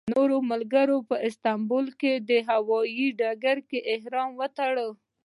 نورو ملګرو په استانبول هوایي ډګر کې احرامونه وتړل.